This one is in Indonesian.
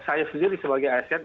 saya sendiri sebagai asn